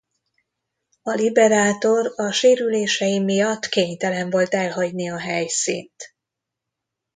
A Liberator a sérülései miatt kénytelen volt elhagyni a helyszínt.